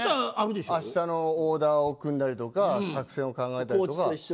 あしたのオーダーを組んだりとか作戦を組んだりとか。